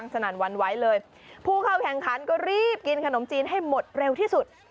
สนั่นวันไหวเลยผู้เข้าแข่งขันก็รีบกินขนมจีนให้หมดเร็วที่สุด